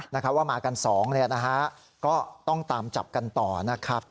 นะคะว่ามากันสองเนี่ยนะฮะก็ต้องตามจับกันต่อนะครับ